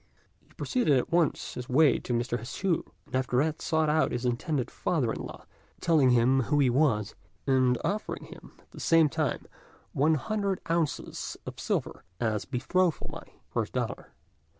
He proceeded at once on his way to Mr. Hsü's, and after that sought out his intended father in law, telling him who he was, and offering him at the same time one hundred ounces of silver, as betrothal money for his daughter.